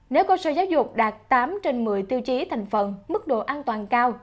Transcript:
nếu cơ sở giáo dục đạt tám trên một mươi tiêu chí thành phần mức độ an toàn cao